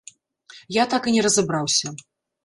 Я так і не разабраўся.